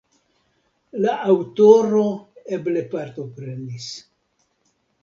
La aŭtoro eble partoprenis.